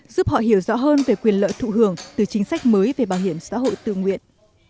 giúp họ hiểu rõ hơn về quyền lợi thụ hưởng từ chính sách mới về bảo hiểm xã hội tự nguyện